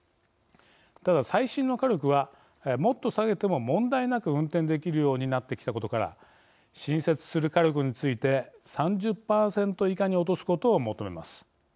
ただ、最新の火力はもっと下げても問題なく運転できるようになってきたことから新設する火力について３０％以下に落とすことを求めます。